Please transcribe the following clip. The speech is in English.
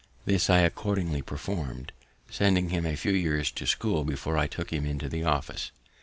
This I accordingly perform'd, sending him a few years to school before I took him into the office.